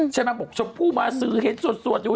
ชมผู้มาสือเพราะเห็นสวดอยู่